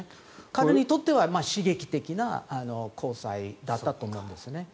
彼にとっては刺激的な交際だったと思うんですね。